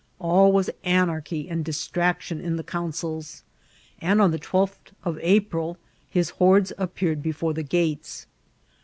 An was anarchy and distraction in the councils, and on the twelfth of April his hordes appeared before the gates.